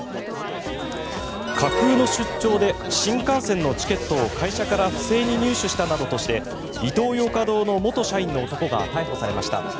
架空の出張で新幹線のチケットを会社から不正に入手したなどとしてイトーヨーカ堂の元社員の男が逮捕されました。